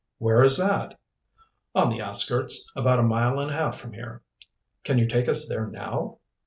"Where is that?" "On the outskirts, about a mile and a half from here." "Can you take us there now?"